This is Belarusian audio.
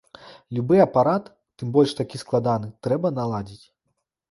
Любы апарат, тым больш такі складаны, трэба наладзіць.